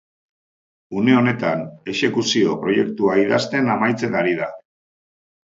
Une honetan exekuzio-proiektua idazten amaitzen ari da.